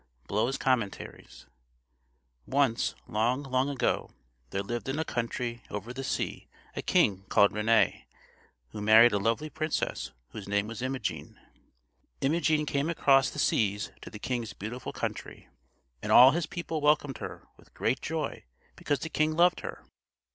Blow's Commentaries. Once, long, long ago, there lived in a country over the sea a king called René, who married a lovely princess whose name was Imogen. Imogen came across the seas to the king's beautiful country, and all his people welcomed her with great joy because the king loved her.